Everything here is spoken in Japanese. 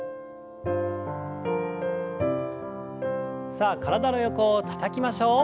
さあ体の横をたたきましょう。